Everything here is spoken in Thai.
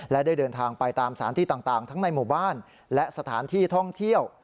และได้เดินทางไปตามสถานที่ต่างทั้งในหมู่บ้านและสถานที่ท่องเที่ยว